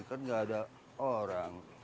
kan gak ada orang